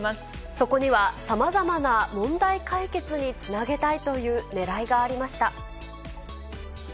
そこには、さまざまな問題解決につなげたいというねらいがありました。